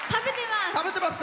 食べてます。